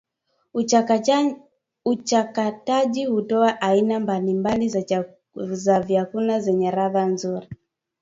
uchakataji hutoa aina mbali mbali za vyakula zenye ladha nzuri